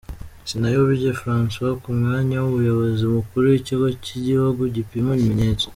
Sinayobye François ku mwanya w’Umuyobozi Mukuru w’Ikigo cy’Igihugu gipima ibimenyetso.